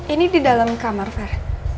ini di dalam kamar fair